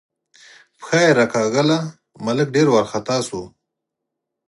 پښه یې راکاږله، ملک ډېر وارخطا شو.